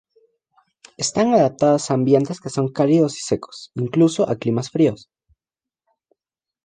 Están adaptadas a ambientes que son cálidos y secos, incluso a climas fríos.